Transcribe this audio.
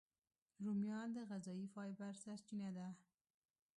رومیان د غذایي فایبر سرچینه ده